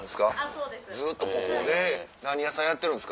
ずっとここで。